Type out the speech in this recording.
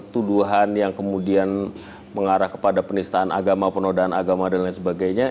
tuduhan yang kemudian mengarah kepada penistaan agama penodaan agama dan lain sebagainya